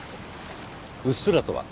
うっすらとは。